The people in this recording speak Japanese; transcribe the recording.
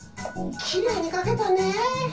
きれいにかけたね！